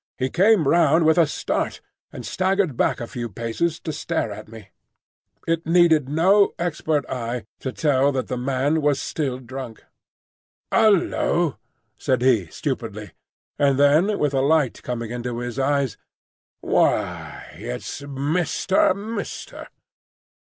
He came round with a start, and staggered back a few paces to stare at me. It needed no expert eye to tell that the man was still drunk. "Hullo!" said he, stupidly; and then with a light coming into his eyes, "Why, it's Mister—Mister?"